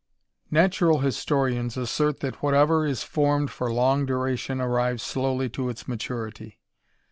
\TURAL historians assert that whatever is formed for long duration arrives slowly to its maturity.